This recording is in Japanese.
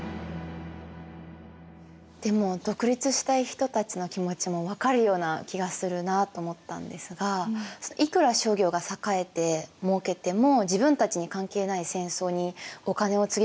でも独立したい人たちの気持ちも分かるような気がするなと思ったんですがいくら商業が栄えてもうけても自分たちに関係ない戦争にお金をつぎ込まれたら嫌になりますよね。